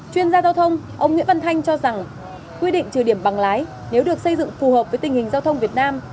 chuyên gia giao thông ông nguyễn văn thanh cho rằng quy định trừ điểm bằng lái nếu được xây dựng phù hợp với tình hình giao thông việt nam